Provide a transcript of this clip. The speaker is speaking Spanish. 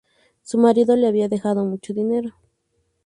Su marido le había dejado mucho dinero.